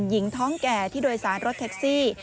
หญิงท้องแก่ที่โดยสารรถแท็กซี่